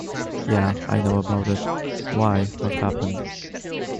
Ya, I know about it. Why what happened?